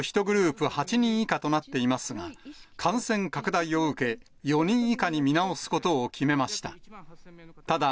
１グループ８人以下となっていますが、感染拡大を受け、４人以下に見直すことを決めました。